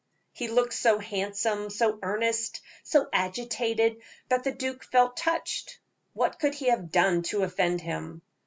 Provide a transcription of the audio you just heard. He looked so handsome, so earnest, so agitated, that the duke felt touched. What could he have done to offend him?